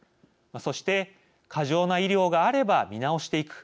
そして過剰な医療があれば見直していく。